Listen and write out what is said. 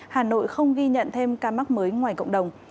hà nội không ghi nhận thêm ca mắc mới ngoài cộng đồng